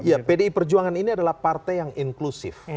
ya pdi perjuangan ini adalah partai yang inklusif